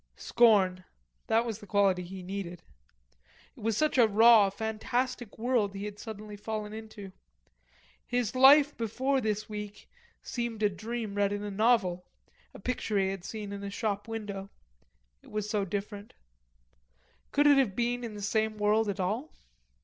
Scorn that was the quality he needed. It was such a raw, fantastic world he had suddenly fallen into. His life before this week seemed a dream read in a novel, a picture he had seen in a shop window it was so different. Could it have been in the same world at all?